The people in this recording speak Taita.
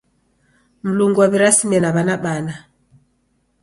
Mlungu waw'irasimie na w'ana bana.